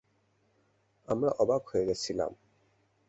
আমরা অবাক হয়ে গেছিলাম।